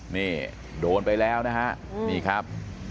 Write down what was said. นี่โดนไปแล้วนะฮะนี่ครับ